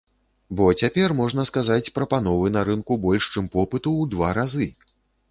Бо цяпер, можна сказаць, прапановы на рынку больш, чым попыту, у два разы.